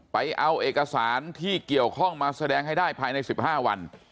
ไปเอาเอกสารที่เกี่ยวข้องมาแสดงให้ได้ภายใน๑๕วัน